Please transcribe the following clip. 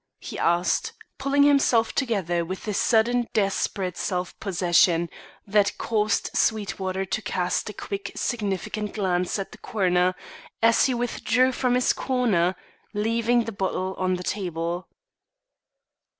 he asked, pulling himself together with a sudden desperate self possession that caused Sweetwater to cast a quick significant glance at the coroner, as he withdrew to his corner, leaving the bottle on the table.